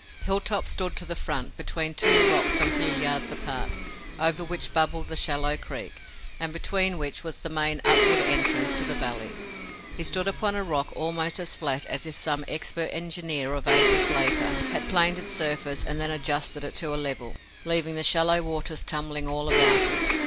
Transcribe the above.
Hilltop stood to the front, between two rocks some few yards apart, over which bubbled the shallow creek, and between which was the main upward entrance to the valley. He stood upon a rock almost as flat as if some expert engineer of ages later had planed its surface and then adjusted it to a level, leaving the shallow waters tumbling all about it.